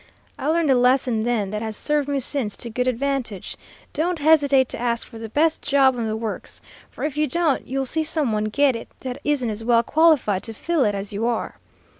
I learned a lesson then that has served me since to good advantage. Don't hesitate to ask for the best job on the works, for if you don't you'll see some one get it that isn't as well qualified to fill it as you are.